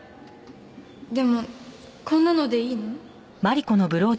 でもこんなのでいいの？